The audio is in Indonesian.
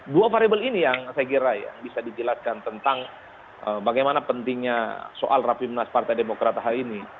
dua variable ini yang saya kira bisa dijelaskan tentang bagaimana pentingnya soal rapimnas partai demokrat hari ini